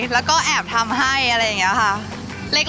แล้วก็แอบทำให้อะไรอย่างนี้ค่ะ